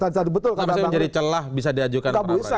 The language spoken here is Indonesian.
maksudnya menjadi celah bisa diajukan apa